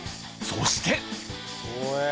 そして